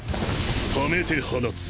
溜めて放つ。